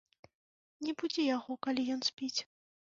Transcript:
Не будзі яго, калі ён спіць.